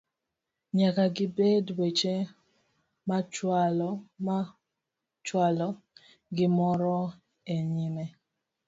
nyaka gibed weche machwalo gimoro e nyime